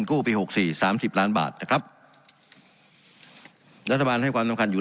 กู้ปีหกสี่สามสิบล้านบาทนะครับรัฐบาลให้ความสำคัญอยู่